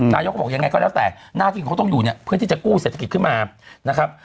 นายกก็บอกยังไงก็แล้วแต่หน้าที่เขาต้องอยู่เนี่ยเพื่อที่จะกู้เศรษฐกิจขึ้นมานะครับ